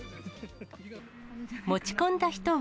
持ち込んだ人は。